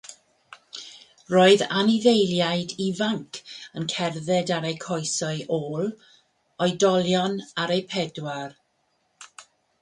Roedd anifeiliaid ifainc yn cerdded ar eu coesau ôl, oedolion ar eu pedwar.